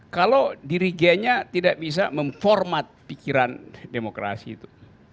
kalau dirigenya tidak bisa memformat pikiran demokrasi itu